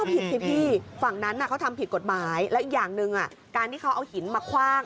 ผิดสิพี่ฝั่งนั้นเขาทำผิดกฎหมายแล้วอีกอย่างหนึ่งการที่เขาเอาหินมาคว่าง